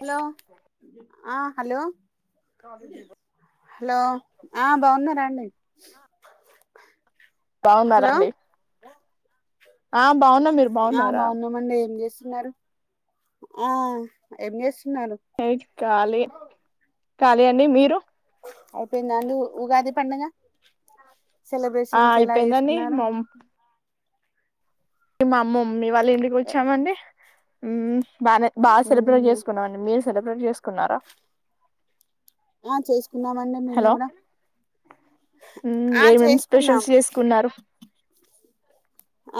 Hello ఆ hello hello ఆ బావున్నార అండి బావున్నార హలో అండి ఆ బావున్నాం మీరు బావున్నారా స్తున్నారు ఆ ఏం చేస్ స్తున్నారు ఖాళీ ఖాళీ అండి మీరు అయిపోయిందా అండి ఉగాది పండగ ఆ అయిపోయిందండి మమ్ ఎమ్ అమ్మమం మీ వాళ్ళ ఇంటికి వచ్చామండి ఉ బాలేద్ బా సెలబ్రేట్ చేసుకున్నాం మీరు సెలబ్రేట్ చే సుకున్నారా ఆ చేసుకున్నామండి మేము హలో కూడా ఆ ఏమేం చేసుకున్నాం స్పెషల్స్ చేసుకున్నారు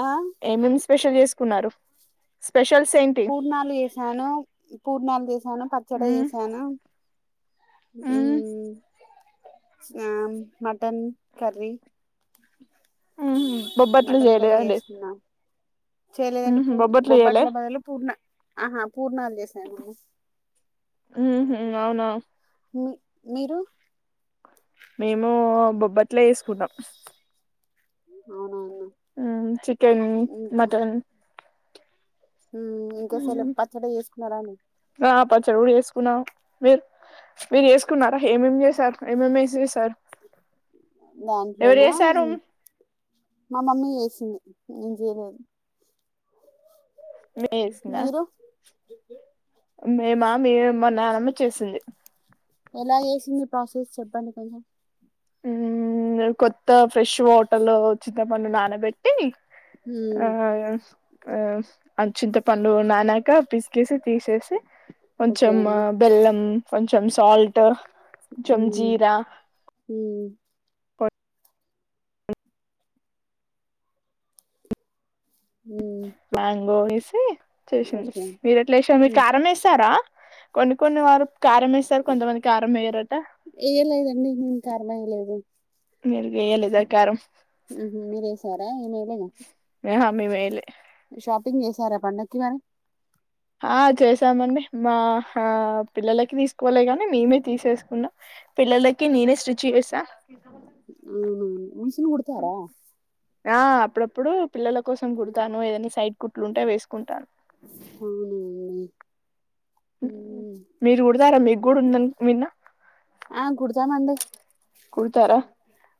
ఆ ఏమేం స్పెషల్ చేసుకున్నారు స్పెషల్స్ ఏంటి పూర్ణాలు చేసాను పూర్ణాలు చేసా సాను పచ్చడి చేసాను ఊ ఆ మటన్ కర్రీ ఉహు బొబ్బట్లు మటన్ కర్రీ చేయలేదా అండి చేసుకున్నాం చేయలేదండి పూ చేయలే బోబ్బట్ల బదులు పూర్ణ ఆహా పూర్ణాలు చేసాను అవునా మీ మీరు మేము బొబ్బట్లే ఏసుకుంటాం అవునవువు ఉ చికెన్ మటన్ ఉమ్ ఇంకోసరీ పచ్చడి చేసుకున్నారా నే ఆ పచ్చడి కూడా చేసుకున్నాం మీరు మీరు చేసుకున్నారా ఏమేం చేసారు ఏమేం ఏసి చేశారు దాంట్లోనా మా మమ్మీ చేసింది నేను చేయలేదు నే చేసిందా మీరు మేమా మీ మా నాన్నమ్మే చేసింది ఎలా చేసింది ప్రాసెస్ చెప్పండి కొంచెం ఉమ్ కొత్త ఫ్రెష్ వోటల్లో చింతపండు నానబెట్టి ఆ ఉమ్, ఆ ఆ అ చింతపండు నాన్ నాక పిసికేసి తీసేసి ఓకే కొంచం అండి బెల్లం కొంచెం సల్ట్ ఉమ్, జంజీరా ఉమ్, ఉమ్, మ్యాంగోయిస్ సి చేసింది ఓకే మీరు ఎట్లాష మీకు ఉమ్, కారం వేస్తారా? కొను కొన్ని వారు కారంవెస్తారు, కొంతమంది కారం వెయ్యారట. అ మీరుగయ లేదా కారం. మీరే సారా నేను ఎయలేనా ఆహా మేము వేయలే ష్ టిఫిన్ చేసారా పండగకి మరి ఆ చేసామండి, మా ఆ పిల్లలకి తీసుకోలే కానీ మేమే తీసేసుకున్నాం. పిల్లలకి నేనే స్టిచ్ చేసాం. ఊ మిషన్ కుడతారా ఆ అప్పుడప్పుడు పిల్లల కోసం కుడతాను, ఏదనా సైడ్ కుట్లు ఉంటే వేసుకుంటాను. అవునువును మీరు కుడతార మీ కూడా ఉందండి మీన్న ఆ కుడతామండి. కుడతారా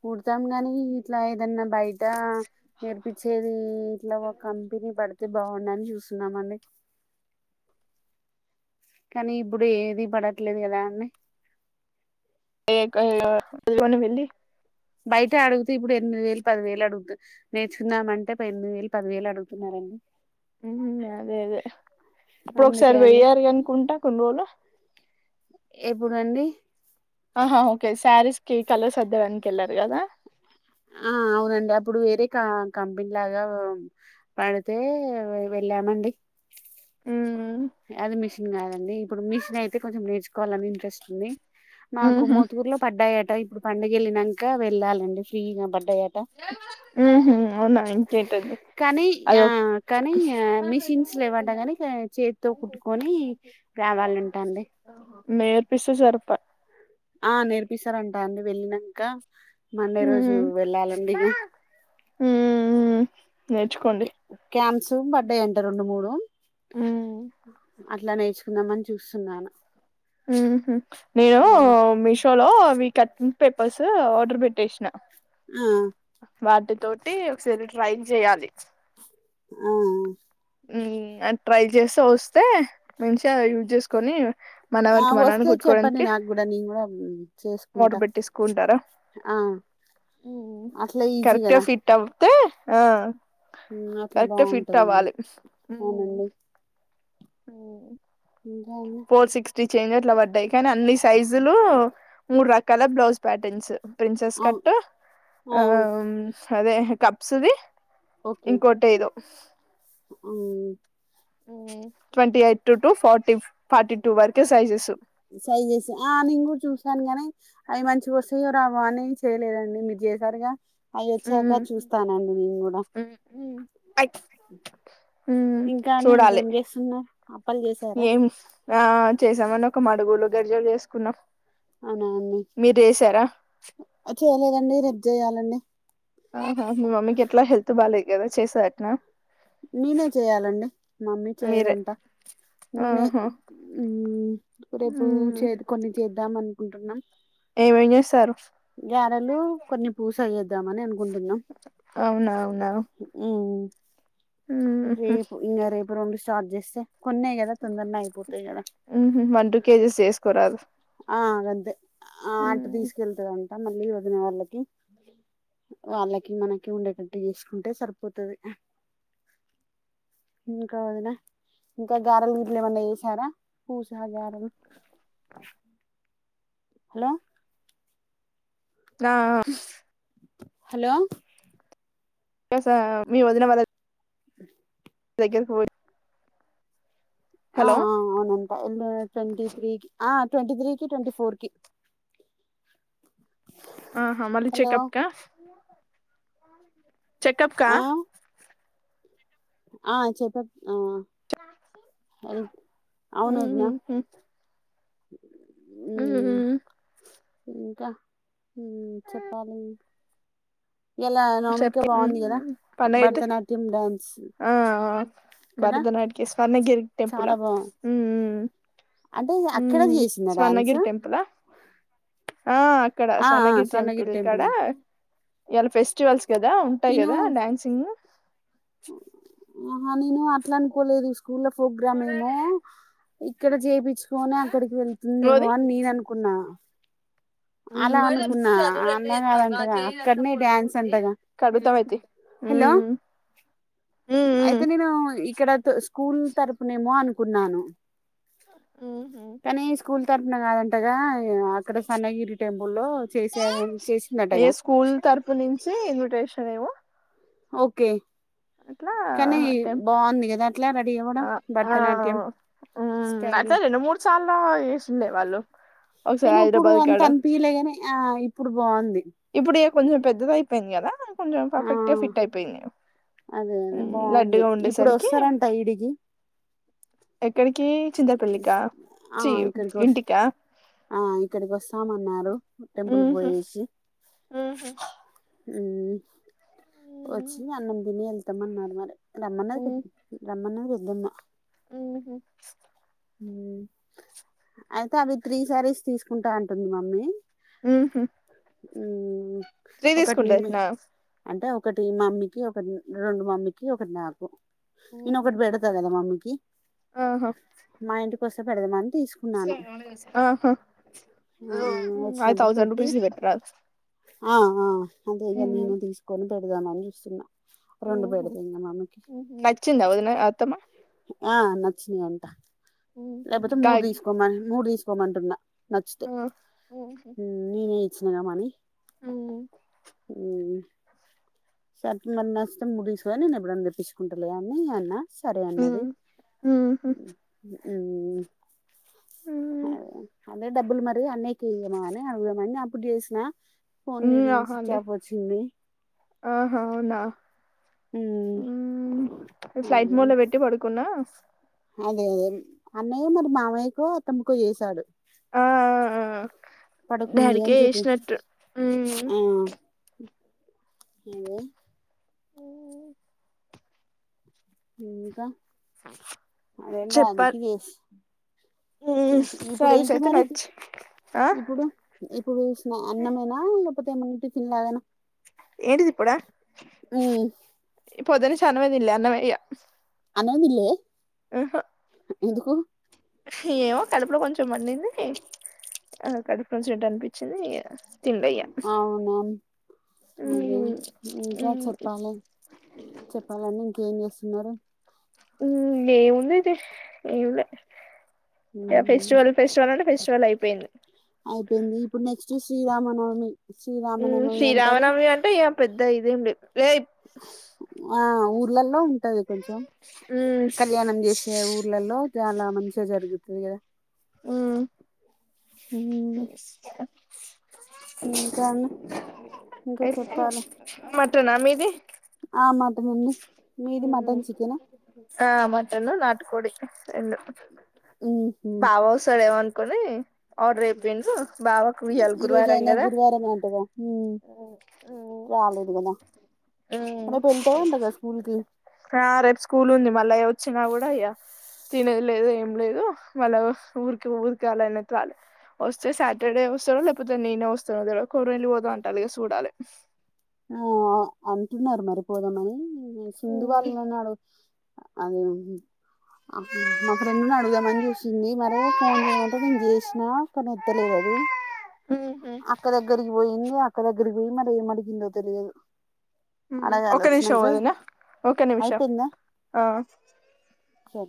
కుడతాం గానీ ఇట్లా ఏదన్నా బయట నేర్పించేది. ఇట్లా కంపెనీ పడుతు అ బాగున్నాని చూస్తున్నామండి. కానీ ఇప్పుడు ఏది పడట్లేదు కదా అన్నే [unintelligible] వెళ్ళి బయటే అడుగుతే ఇప్పుడు ఎనిమిది వేలు, పది వేలు అడుగుతు నేర్చుకున్నామంటే పది ఎనిమిది వేలు పది వేలు అడుగుతున్నారండి. ఉ హు అదే అదే అప్పుడు అందుకే ఒకసారి అండి వెయ్యారు అనుకుంటా కొన్ని రోజులు. ఎప్పుడండి ఆహా ఓకే స్యారీస్కి కలర్స్ అద్దడానికి కెళ్ళారు కదా. ఆ అవునండి అప్పుడు వేరే కంపెనీ లాగా పడితే వెళ్ళామండి. ఊ అది మిషన్ కాదండి, ఇప్పుడు మిషన్ అయితే కొంచెం నేర్చుకో కావాలని ఇంట్రెస్ట్ ఉంది. ఆ కుమ్మతుకూరు లో పడ్డాయట ఇప్పుడు పండుగెళ్ళినక వెళ్ళాలండి ఫ్రీగా బ. ఉహు అవునా ఇంకేంటండి కానీ ఆ అధొక్. కానీ ఆ, తో కుట్టుకొని రావాలంట అండి. నెర్పిస్తే జరుప. ఆ నేర్పిస్తారంటా అండి వెళ్ళినంక. మండే రోజు మ్మ్ వెళ్ళాలండి ఇగ మ్మ్ నేర్చుకోండి క్యా క్యాంప్స్. తూమ్ పడ్డాయంట రెండు మూడు. మ్మ్హ్ అట్లా నేర్చుకుందాంమని చూస్తున్నాను. ఉహు మేము ఉమ్. మీషో. లో అవి కటింగ్ పేపర్స్ ఆర్డర్ పెట్టేసిన. ఆ. వాటితోటి ఒకసారి ట్రై జేయాలి. ఆ. ఉ ఆన్ ట్రై చేస్తే వస్తే మంచిగా యూజ్ చేసుకొని. మన ఆ వరకి మనని వస్తే చెప్పండి కుట్టుకోవడానికి నాకు కూడా నేను కూడం ఆర్డర్ చేసుకుంటా పెట్టేసుకుంటారా ఆ అట్లా ఈజీ గదా. తే ఆ. కరెక్ట్ ఫిట్ బాగుంటది కదా అవ్వాలి. అవునండి అ. ఇంకా అండి. త్రీ చేంజ్ అట్ల పడ్డాయి కానీ అన్ని సైజులు మూడు రకాల బ్లౌజ్ ప్యాటర్న్స్. ప్రిన్సెస్ కట్టు ఆ అవును అదే హే కప్సుది. ఇంకోటేదొ. స్. మ్మ్ మ్మ్ twenty eight to forty forty two వరకే సైజెసు. సైజస్ ఆ నేను కూడా చూసాను గాని అవి మంచిగా వస్తాయో రావో అని చేయలేదండి మీరు చేసారుగా. అవి ఉమ్ వచ్చాక చూస్తానండి నేను కూడా ఉమ్ అయ్ ఉ ఇంకా అండి చూడాలే ఇంకేం చేస్తున్నారు అప్పలు చేసారా ఏం ఆ చేసామండి ఒక మాడ్. డుగులు గరిజలు చేసుకున్నాం. అవునా అండి మీరు చేసారా ఆ చేయలేదన్. ని రేప్ జెయాలండి. ఆహా మీ మమ్మీకి ఎట్లా హెల్త్ బాలలేదు గదా చేస్త దాట్నా నేనే చేయాలండి మామ్మీ మీరే చేయదంట నేనే ఆహా మ్మ్ రేపు చేదు కొన్ని చే. ఇద్దాం అనుకుంటున్నం. ఏమేమ్ చేస్తారు. ఇద్దామని అనుకున్ అవునవునవు ఉమ్ రేపు ఇంగ రేపు రెండు స్టార్ట్ జేస్తే మ్మహ్ వన్ టూ కేజీస్ చేసుకోరాదు ఆ గంతే ఆ అటు తీసుకెళ్తాదండి తాన్ మళ్ళీ వదిన వాళ్ళకి వాళ్ళకి మనకి ఉండేటట్టు చేసుకుంటే సరిపోతది, ఇంకా వదిన ఇంకా గారలు గిట్ల ఏమన్నా చేసారా పూస గారేలు హలో రా హలో స మీ వదిన వద స దగ్గరికి పోయి ఆ ఆ అవునంతా ఇల ట్వంటి త్రీ కి ఆ ట్వంటీ త్రీకి ట్వంటీ ఫోర్ కి ఆహా మళ్ళీ హలో చెకప్ కా చెకప్కా ఆ ఆ చెకప్ [unintelligible] అం ఔనొదిన ఉహుహు ఇంకా ఉం చెప్పాలి ఇలా నవమిక చెప్ బాగుంది కదా పన్నైతే భరతనాట్యం డ్యాన్స్ ఆ కదా భరతనాటికి స్వర్ణగిరి టెంపుల చాలా బాగు ఉం ఉం ఉం అంటే ఉం ఉం అక్కడ ఉం చేసిందా డ్యాన్స్ స్వర్ణగిరి టెంపులా అ క్కడ ఆ ఆ స్వర్ణగిరి టెంపుల్ కడ టెంపులే ఇయ్యాల ఫెస్ రిచువల్స్ కదా ఉంటాయి నేను కదా డ్యాన్సింగ్ ఆ నేను అట్ల అనుకోలేదు స్కు స్కూల్ ల ప్రోగ్రామ్ ఏమో ఇక్కడ చేపిచుకోనే అక్కడికి వెళ్తుందేమో నువ్వది అని నేను అనుకున్నా అలా అనుకున్నా అలా కాదంటగా అక్కడనే డ్యాన్స్ అంటగా హలో అయితే నేను [inaudible] ఇక్కడ స్కూల్ తరపునేమో అనుకున్నాను ఉహు తరణ కాదంటగా అక్కడ స్వర్ణగిరి ఏ స్కూల్ తరపు నుంచి ఇన్విటేషన్ ఏమో ఓకే అట్లా కానీ టె బాగుంది కదా అట్లా రెడీ అవ్వడం ఆ ఆ భరతనాట్యం ఉం స్టైల్ అట్లా రెండు మూడు సార్ల వేసిండే వాళ్ళు ఒకసారి కానీ అప్పుడు హైదరాబాద్ అంత కాడ అనిపియాలే గని ఆ ఇప్పుడు బ బాగుంది ఇప్పుడు ఇగ కొంచెం పెద్దది అయిపోయింది కదా కొంచెం ఆ పర్ఫెక్ట్ గా సెట్ అయిపోయింది అదే అదే బాగుంది లడ్డుగా ఇప్పుడు ఉండేసరికి వస్తారంట ఈడికి క్కడికి ఆ ఇక్కడికి వస్త ఇంటికా ఆ ఇక్కడికి వస్తాన న్నారు ఉహు ఉహు ఉం వచ్చి అన్నం తిని వెళ్తామన్నారు మరి రమన్న్న రమన్న్న న్నమ్మా ఉహు అయితే అవి త్రీ శారీస్ తీసుకుంటా అంటుంది మమ్మీ ఉహు ఉం త్రీ తీసుకుంటే ఎట్నా ఒకటి మమ్మీకి ఒకటి రెండు మమ్మకి ఒకటి నాకు ఇను ఒకటి పెడతా కదా మమ్మీకి ఇందు కోసం పెడదాం అహ ఆ, ఫైవ్ వచ్చినప్పుడు తౌసంద్ పెట్టి రుపీస్ ని పెట్టారు ఆ ఆ అంతే గా నేను తీసుకొని పెడదామని చూస్తున్నా రెండు ఉహు పెడతా ఇంకా మమ్మీకి ఉహు వచ్చిందా వదిన అత్తమ్మా ఆ నచ్చిదంట లేకపోతే మూడు కాయ్ తీసుకోమని మూడు తీసుకో కోమంటున్నా నచ్చతే ఆ ఉమ్ నేనే చిన్నగా మాని ఉమ్ ఉమ్ స మ నష్టం ముగిసు కొని నేను ఎప్పుడనా తెప్పించుకుంటలే అన్న అన్న సరే అన్నది ఉమ్ ఉహు ఉమ్ అదే అదే డబ్బులు మరి అన్నయకి ఇయనా అని అడుగుదామని అప్పుడు చేసినా పోన్ ఉమ్ ఆహాలే చేపించి ఆహా స్విచ్ అండి. ఆఫ్ వచ్చింది ఆహా, అవునా అమ్ ఉమ్ ఫ్లైట్ మోడ్ లో పెట్టి పడుకున్నా ఆ అదే అదే అన్నయ్యో మరి మామయ్యకో అతమ్మ కో చేశాడు ఆ ఆ ఆ పడుకుంది దానికే అని చెప్పి వేసినట్టు ఉమ్ ఏందే ఇంకా అదేం దానికి చెప్పాలి చేస్త ఉమ్ చే ఇప్పుడు సారీస్ ఏంటి అయితే మరి నచ్చి ఆ ఇప్పుడు ఇప్పుడు చూసిన అన్నమేనా ఇ పతేమ చిల్లాదా ఏంటిది ఇప్పుడా మ్మ్ పొద్దున్నుంచి అన్నమే తిన్నాలా అన్నమే ఇక అన్నం తిన్నా లే ఆహా ఎందుకు ఏమో కడపలో కొంచెం మండింది ఆ కడపలో నుంచిం ఏంట అనిపించింది తినలే ఇగ అవునా ఉమ్ అదే ఇంకా ఉమ్ చెప్పాలి చెప్పాలని ఇంకేం చేస్త సున్నారున్నారు ఏ ఉందిది ఏ ఉంది ఉమ్, ఫస్వల్ ఫస్వ ఫ చల్ అయిపోయింది అయిపోయింది ఇప్పుడు నెక్స్ట్ శ్రీరామనవమి శ్రీరామనవమి అంటారు శ్రీరామనవమి అంటే ఇ పెద్ద ఇదేం లేదు లే ఆ ఊర్లలో ఉంటది కొంచెం ఉమ్ కళ్యాణం చేసే ఊర్లలో అతే చాలా మంచిగా జరుగుతుంది కదా ఉ ఉమ్, ఇంకా అండి ఇంకా అ మ నా మీ ఇది ఆమ ఆ మటన్ నాటుకోడి ఎలా బావో సడేవంత కొని ఆర్డర్ అయిపోయిన ర బావకు వియాాల ఈ రోజు గురువారం అయినా అండదా గురువారం అంటగా ఉమ్, రాలేదు కదా రేపు వెళ్తావంట కదా స్కూల్ కి ఆ రేపు స్కూల్ ఉంది మళ్ళా అ వచ్చినా కూడా ఇయ్యా తినేది లేదు ఏం లేదు మళ్ళా ఊరికి ఊరికయాలనే రాలి వస్తే సాటర్డే వస్తాడు లేకపోతే నేనే వస్తాను కొరలు పోదా అంటాలిగా చూడాలి ఆ అంటున్నారు మరిపోదామని సింధు వాళ్ళ నాడు అదే మా ఫ్రెండ్ని అడుదామని చూసింది మరే ఫోన్ చేయమంటే నేను చేసినా అక్కని ఎత్తలేదు అది మ్మ్ అక్క ద గరికి పోయింది ఒకక్క దగ్గరికి పోయి మరి ఏం అడిగిందో తెలియదు ఒ అడగాలి నిమిష వచ్చినాక పోదునా ఒక నిమిష అయిపోయిందా ఆ సరే